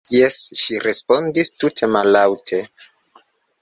Jes, ŝi respondis tute mallaŭte.